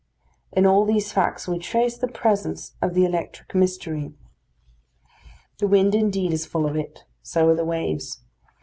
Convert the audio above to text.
In all these facts we trace the presence of the electric mystery. The wind indeed is full of it; so are the waves.